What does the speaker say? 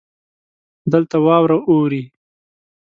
دلته واوره اوري.